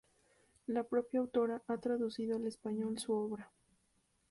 La propia autora ha traducido al español su obra.